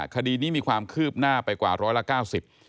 คดีนี้มีความคืบหน้าไปกว่าร้อยละ๙๐